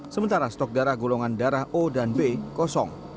sementara stok darah golongan darah o dan b kosong